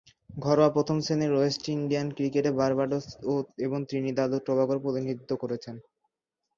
ঘরোয়া প্রথম-শ্রেণীর West Indian ক্রিকেটে বার্বাডোস এবং ত্রিনিদাদ ও টোবাগোর প্রতিনিধিত্ব করেছেন।